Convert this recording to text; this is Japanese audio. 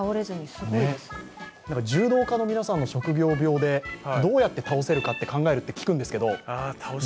柔道家の皆さんの職業病でどうやって倒せるかって考えるって聞くんですが。